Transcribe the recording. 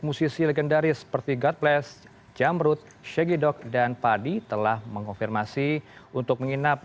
musisi legendaris seperti god bless jamrut shaggy dog dan padi telah mengkonfirmasi untuk menginap